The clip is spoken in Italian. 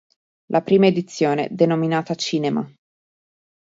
La prima edizione, denominata "Cinema.